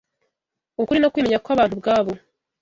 ukuri no kwimenya kw’abantu ubwabo.